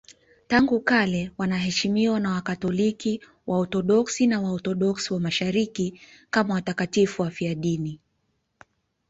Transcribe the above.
Tangu kale wanaheshimiwa na Wakatoliki, Waorthodoksi na Waorthodoksi wa Mashariki kama watakatifu wafiadini.